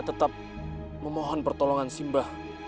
dua tujuh teman berkata